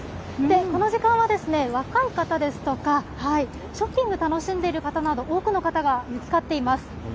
この時間はですね、若い方ですとか、ショッピング楽しんでいる方など、多くの方が行き交っています。